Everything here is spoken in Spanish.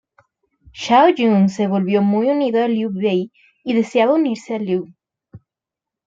Zhao Yun se volvió muy unido a Liu Bei y deseaba unirse a Liu.